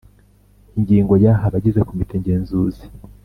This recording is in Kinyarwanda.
Ingingo ya Abagize Komite ngenzuzi